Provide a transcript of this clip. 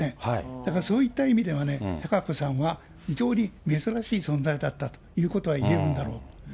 だからそういった意味では、貴子さんは非常に珍しい存在だったということがいえるんだろうと。